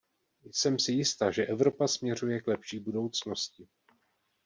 Jsem si jista, že Evropa směřuje k lepší budoucnosti.